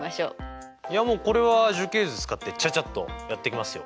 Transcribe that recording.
いやもうこれは樹形図使ってちゃちゃっとやっていきますよ。